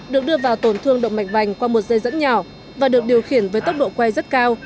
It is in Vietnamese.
được đưa vào tổn thương động mạch vành qua một dây dẫn nhỏ và được điều khiển với tốc độ quay rất cao